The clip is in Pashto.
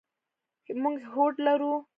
موږ هوډ لرو.